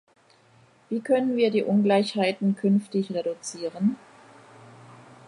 Wie können wir die Ungleichheiten künftig reduzieren?